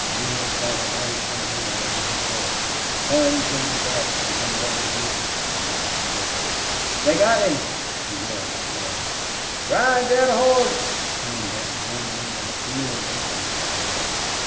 Neale saw the Irishman go down with his horse, plunge in the dust, and then roll over and lie still. "They got him!" he yelled at Larry. "Ride thet hoss!" came back grimly and appealingly from the cowboy.